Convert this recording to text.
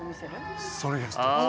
それが１つ。